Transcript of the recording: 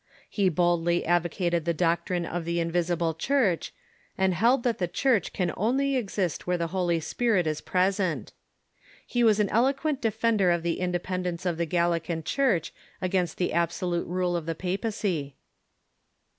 He boldly advocated the doctrine of the invisible Church, and held that the Church can only exist where the Holy Spirit is present. He was an eloquent defender of the independence of the Galilean Church against the absolute rule of the papacy.